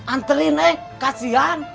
antrin eh kasian